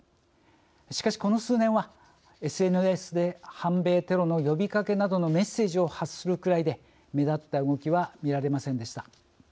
しかし、この数年はＳＮＳで反米テロの呼びかけなどのメッセージを発するくらいで目立った動きは見られませんでした。